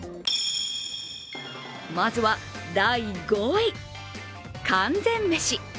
まずは第５位、完全メシ。